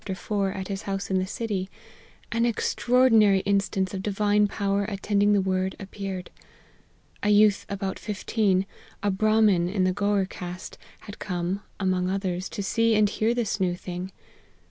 at his house in the city, an extraordinary instance of Divine power attend ing the Word, appeared. A youth about fifteen, a Brahmin of the Gour caste, had come, among others, to see and hear this new thing.